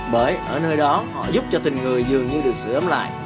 bởi ở nơi đó họ giúp cho tình người dường như được sửa ấm lại